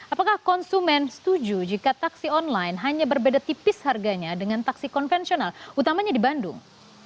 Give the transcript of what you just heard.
apakah konsumen setuju jika taksi online hanya berbeda tipis harganya dengan taksi konvensional utamanya di bandung